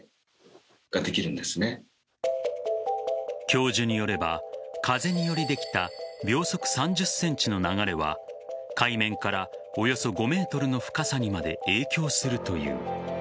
教授によれば風によりできた秒速３０センチの流れは海面からおよそ５ｍの深さにまで影響するという。